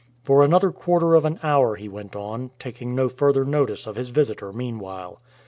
For another quarter of an hour he went on, taking no further notice of his visitor meanwhile.